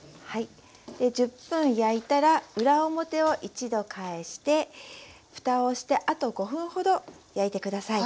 １０分焼いたら裏表を一度返してふたをしてあと５分ほど焼いて下さい。